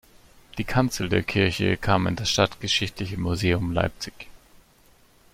Die Kanzel der Kirche kam in das Stadtgeschichtliche Museum Leipzig.